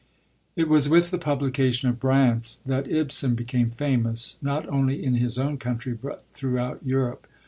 It was with the publication of Brand that Ibsen became famous, not only in his own country, but throughout Europe.